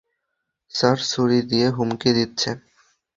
Sir, ছুরি দিয়ে হুমকি দিচ্ছে।